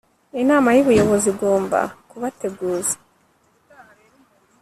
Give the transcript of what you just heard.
inama y ubuyobozi igomba kubateguza